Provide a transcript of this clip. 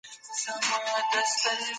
هغې نجلۍ وويل زه پلار خپل وراره ته ورکړې يم.